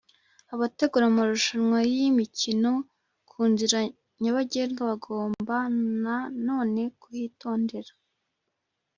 Abategura amarushanwa y’imikino ku nzira nyabagendwa bagomba na none kuhitondera